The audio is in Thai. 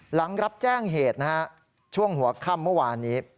หลังรับแจ้งเหตุนะฮะช่วงหัวค่ำเมื่อวานนี้